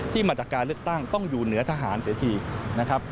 มาจากการเลือกตั้งต้องอยู่เหนือทหารเสียทีนะครับ